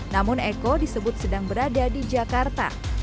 namun eko disebut sedang berada di jakarta